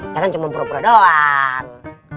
ya kan cuma pura pura doang